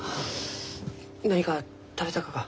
何か食べたがか？